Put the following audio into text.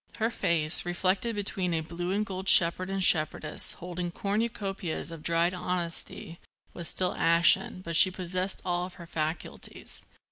Her face, reflected between a blue and gold shepherd and shepherdess holding cornucopias of dried honesty, was still ashen, but she possessed all her faculties.